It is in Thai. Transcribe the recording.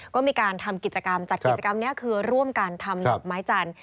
ก็มีการทำกิจกรรมจัดกิจกรรมนี้คือร่วมกันทำดอกไม้จันทร์